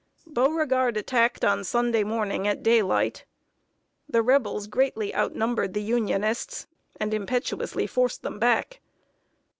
Beauregard attacked on Sunday morning at daylight. The Rebels greatly outnumbered the Unionists, and impetuously forced them back.